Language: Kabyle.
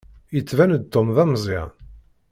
Yettban-d Tom d ameẓẓyan.